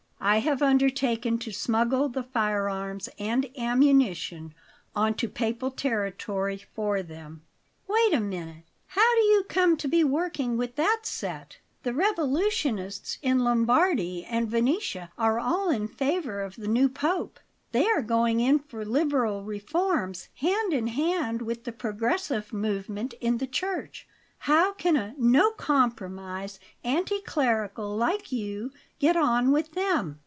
I have undertaken to smuggle the firearms and ammunition on to Papal territory for them " "Wait a minute. How do you come to be working with that set? The revolutionists in Lombardy and Venetia are all in favour of the new Pope. They are going in for liberal reforms, hand in hand with the progressive movement in the Church. How can a 'no compromise' anti clerical like you get on with them?"